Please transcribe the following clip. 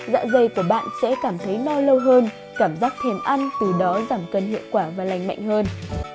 dạ dày của bạn sẽ cảm thấy no lâu hơn cảm giác thèm ăn từ đó giảm cân hiệu quả và lành mạnh hơn